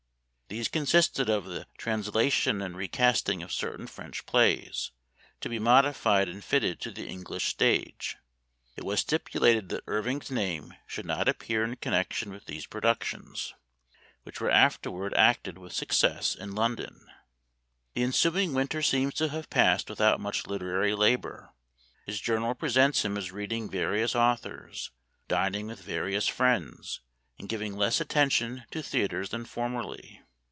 These consisted of the translation and recasting of certain French plays, to be modified and fitted to the English stage. It was stipulated that Irving's name should not appear in connection with these productions, 128 Memoir of Washington Irving. which were afterward acted with success in London. The ensuing winter seems to have passed without much literary labor. His journal pre sents him as reading various authors, dining with various friends, and giving less attention to theaters than formerly.